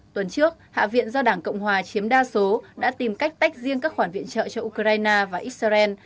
tuần trước hạ viện do đảng cộng hòa chiếm đa số đã tìm cách tách riêng các khoản viện trợ cho ukraine và israel